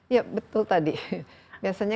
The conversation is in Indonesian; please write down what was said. ya betul tadi biasanya